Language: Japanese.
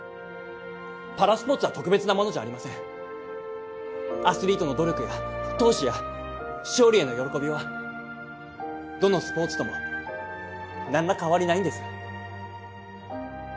パラスポーツは特別なものじゃありませんアスリートの努力や闘志や勝利への喜びはどのスポーツとも何ら変わりないんです